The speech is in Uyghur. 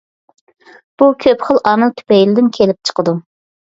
بۇ كۆپ خىل ئامىل تۈپەيلىدىن كېلىپ چىقىدۇ.